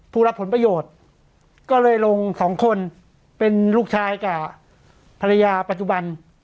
ผู้รับผลประโยชน์ก็เลยลงสองคนเป็นลูกชายกับภรรยาปัจจุบัน